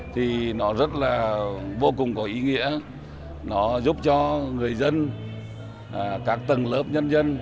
thì nó rất là vô cùng có ý nghĩa nó giúp cho người dân các tầng lớp nhân dân